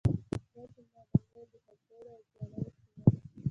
دا زما د مور د خاپوړو او ځوانۍ سيمه ده.